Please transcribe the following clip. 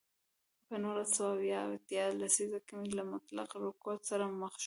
په نولس سوه اویا او اتیا لسیزو کې له مطلق رکود سره مخ شو.